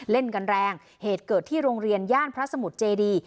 เล่นกันแรงเหตุเกิดที่โรงเรียนย่านพระสมุทรเจดี